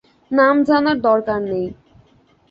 নাম জানার দরকার নেই।